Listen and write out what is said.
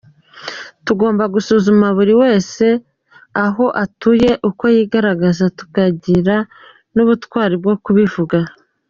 Tugomba gusuzuma buri wese aho atuye uko yigaragaza tukagira n’ubutwari bwo kubivuga.